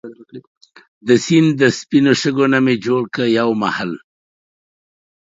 دا سیند دا سپينو شګو نه مي جوړ کړو يو محل